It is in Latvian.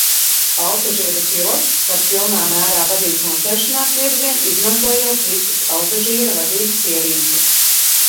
Autožīra pilots var pilnā mērā vadīt nosēšanās virzienu, izmantojot visas autožīra vadības ierīces.